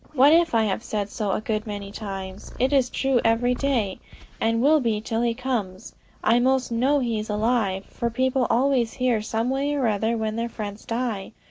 What if I have said so a good many times, it is true every day, and will be till he comes. I most know he is alive, for people always hear, some way or other, when their friends die.